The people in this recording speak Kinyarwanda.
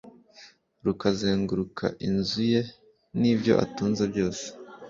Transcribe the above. rukazenguruka inzu ye n'ibyo atunze byose